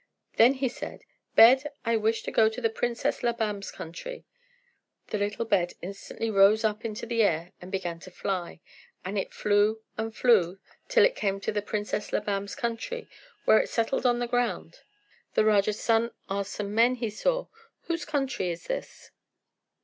Then he said, "Bed, I wish to go to the Princess Labam's country." The little bed instantly rose up into the air and began to fly, and it flew and flew till it came to the Princess Labam's country, where it settled on the ground. The Raja's son asked some men he saw, "Whose country is this?"